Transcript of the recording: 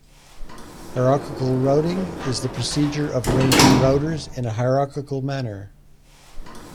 Hierarchical routing is the procedure of arranging routers in a hierarchical manner.